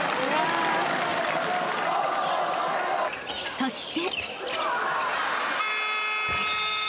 ［そして］